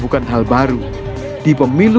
berantakan kemampuan politik anggota selipis